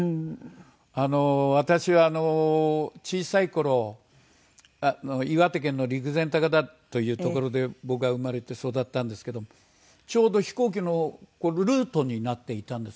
あの私は小さい頃岩手県の陸前高田という所で僕は生まれて育ったんですけどもちょうど飛行機のルートになっていたんですよね。